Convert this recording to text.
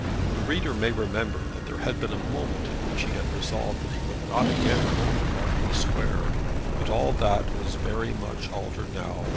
The reader may remember that there had been a moment in which he had resolved that he would not again go to Berkeley Square. But all that was very much altered now.